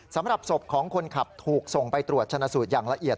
สำหรับศพของคนขับถูกส่งไปตรวจชนะสูตรอย่างละเอียด